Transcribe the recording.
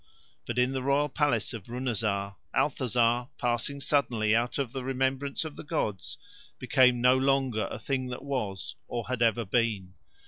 But in the royal palace of Runazar, Althazar, passing suddenly out of the remembrance of the gods, became no longer a thing that was or had ever been.